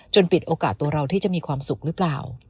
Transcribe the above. ปิดโอกาสตัวเราที่จะมีความสุขหรือเปล่า